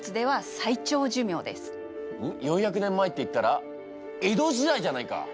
４００年前っていったら江戸時代じゃないか！